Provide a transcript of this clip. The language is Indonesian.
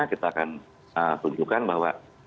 kita akan tunjukkan bahwa